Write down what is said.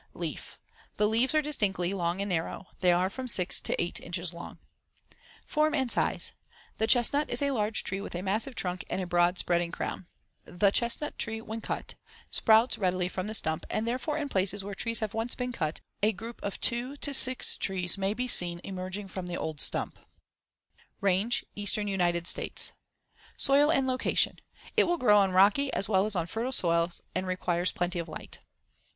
Leaf: The leaves are distinctly long and narrow. They are from 6 to 8 inches long. Form and size: The chestnut is a large tree with a massive trunk and broad spreading crown. The chestnut tree when cut, sprouts readily from the stump and therefore in places where the trees have once been cut, a group of two to six trees may be seen emerging from the old stump. [Illustration: FIG. 65. Trunk of Chestnut Tree.] Range: Eastern United States. Soil and location: It will grow on rocky as well as on fertile soils and requires plenty of light.